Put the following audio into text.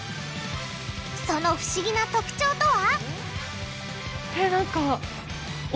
その不思議な特徴とは！？